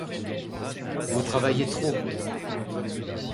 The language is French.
Vous travaillez trop.